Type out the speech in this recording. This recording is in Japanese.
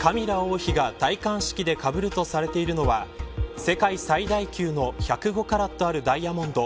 カミラ王妃が戴冠式でかぶるとされているのは世界最大級の１０５カラットあるダイヤモンド。